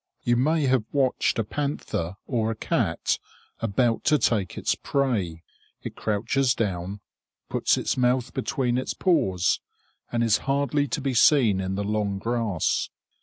You may have watched a panther or a cat about to take its prey. It crouches down, puts its mouth between its paws, and is hardly to be seen in the long grass.